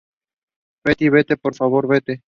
Fiti, vete, por favor. vete.